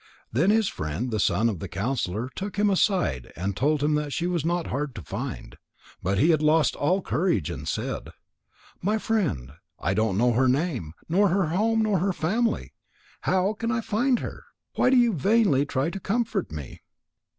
Then his friend the son of the counsellor took him aside and told him that she was not hard to find. But he had lost all courage and said: "My friend, I don't know her name, nor her home, nor her family. How can I find her? Why do you vainly try to comfort me?"